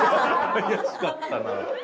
怪しかったな。